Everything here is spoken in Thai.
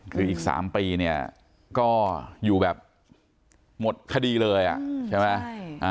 คืออีก๓ปีเนี่ยก็อยู่แบบหมดคดีเลยใช่ไหม